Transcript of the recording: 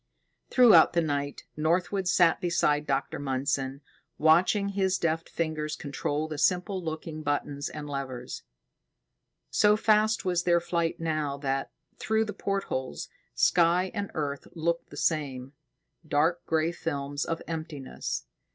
Throughout the night, Northwood sat beside Dr. Mundson, watching his deft fingers control the simple looking buttons and levers. So fast was their flight now that, through the portholes, sky and earth looked the same: dark gray films of emptiness.